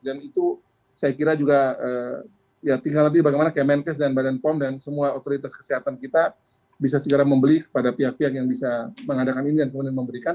dan itu saya kira juga tinggal nanti bagaimana kmnk dan badan pom dan semua otoritas kesehatan kita bisa segera membeli kepada pihak pihak yang bisa mengadakan ini dan kemudian memberikan